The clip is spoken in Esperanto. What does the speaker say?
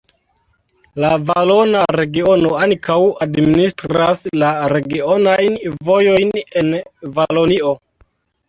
La Valona Regiono ankaŭ administras la regionajn vojojn en Valonio.